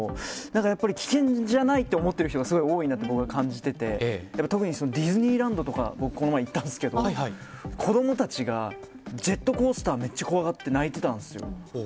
やっぱり危険じゃないと思っている人が多いと感じていて特に、ディズニーランドとかこの間行ったんですけど子どもたちがジェットコースターめっちゃ怖がって泣いていたんですよ。